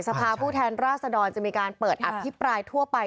สภาพูดแทนราศน์ดรจะเปิดอพิปรายทั่วไป